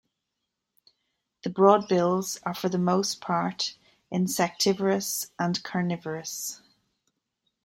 The broadbills are for the most part insectivorous and carnivorous.